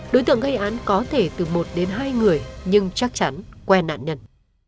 đối tượng gây án có thể từ một đến hai người nhưng chắc chắn quen nạn nhân